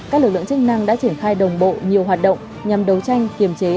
các lực lượng chức năng đã triển khai đồng bộ nhiều hoạt động nhằm đấu tranh kiềm chế